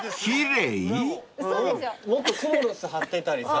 もっとクモの巣張ってたりさ